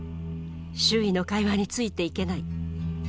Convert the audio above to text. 周囲の会話についていけない。